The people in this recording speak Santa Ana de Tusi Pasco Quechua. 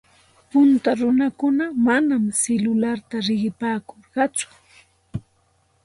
Punta runakuna manam silularta riqipaakurqatsu.